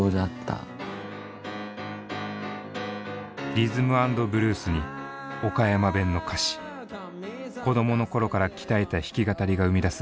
リズム＆ブルースに岡山弁の歌詞子供の頃から鍛えた弾き語りが生み出す